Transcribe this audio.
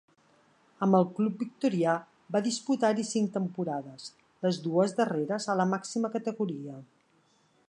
Amb el club vitorià va disputar-hi cinc temporades, les dues darreres a la màxima categoria.